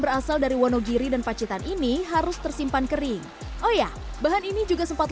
berasal dari wonogiri dan pacitan ini harus tersimpan kering oh ya bahan ini juga sempat